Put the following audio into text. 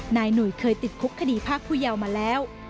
หนุ่ยเคยติดคุกคดีภาคผู้ยาวมาแล้ว